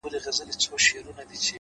o لكه د مور چي د دعا خبر په لپه كــي وي؛